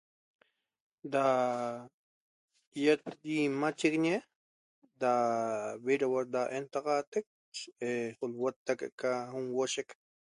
Da iet yimachiguiñe da viiruhuo da entaxateq u'lhuota' qa n'uoceq